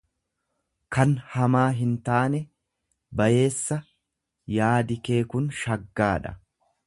kan hamaa hintaane, bayeessa; Yaadi kee kun shaggaa dha.